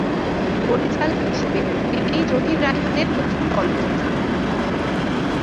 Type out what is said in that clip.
পরিচালক হিসেবে এটিই জহির রায়হানের প্রথম চলচ্চিত্র।